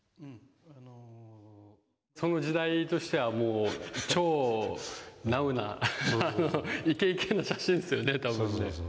その時代としてはもう超ナウなイケイケの写真ですよね多分ね。